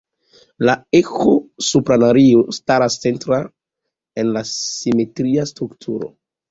La eĥo-sopranario staras centra en la simetria strukturo.